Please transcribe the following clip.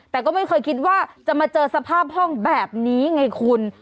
แต่ก็ไม่เคยคิดว่าจะมาเจอสภาพห้องแบบนี้ไงคุณ